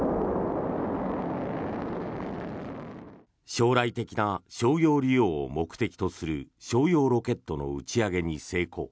将来的な商業利用を目的とする商用ロケットの打ち上げに成功。